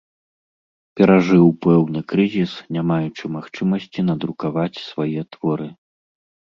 Перажыў пэўны крызіс, не маючы магчымасці надрукаваць свае творы.